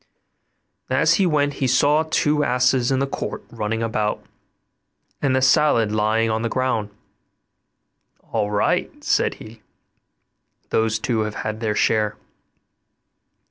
And as he went he saw two asses in the court running about, and the salad lying on the ground. 'All right!' said he; 'those two have had their share.